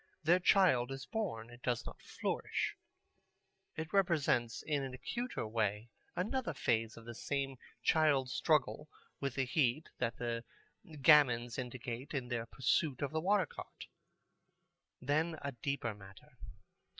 Their child is born. It does not flourish. It represents in an acuter way another phase of the same child struggle with the heat that the gamins indicate in their pursuit of the water cart. Then a deeper matter.